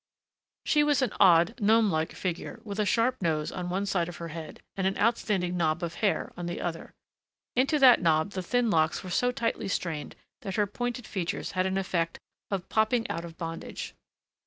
She was an odd gnome like figure, with a sharp nose on one side of her head and an outstanding knob of hair on the other. Into that knob the thin locks were so tightly strained that her pointed features had an effect of popping out of bondage.